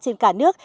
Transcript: trên cả nước